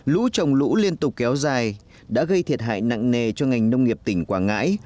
lũ trồng lũ liên tục kéo dài đã gây thiệt hại nặng nề cho ngành nông nghiệp tỉnh quảng ngãi